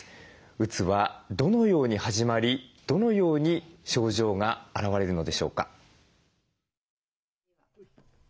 うつはどのように始まりどのように症状が現れるのでしょうか。